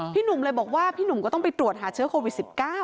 หนุ่มเลยบอกว่าพี่หนุ่มก็ต้องไปตรวจหาเชื้อโควิด๑๙